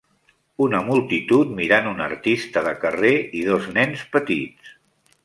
Una multitud mirant un artista de carrer i dos nens petits.